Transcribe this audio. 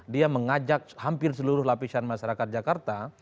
dia mengajak hampir seluruh lapisan masyarakat jakarta